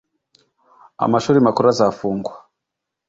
amashuri makuru azafungwa